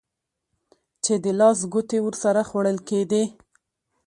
چې د لاس ګوتې ورسره خوړل کېدې.